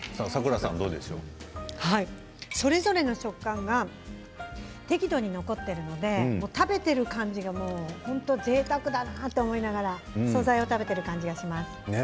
それぞれの食感が適度に残っているので食べている感覚がぜいたくだなと思いながら素材を食べています。